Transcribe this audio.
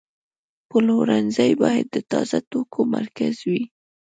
پلورنځی باید د تازه توکو مرکز وي.